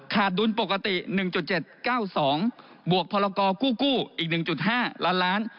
ดุลปกติ๑๗๙๒บวกพรกู้อีก๑๕ล้านล้าน